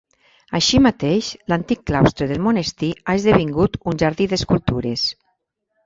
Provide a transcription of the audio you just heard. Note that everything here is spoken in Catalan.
Així mateix, l’antic claustre del monestir ha esdevingut un jardí d’escultures.